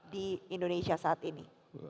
di indonesia saat ini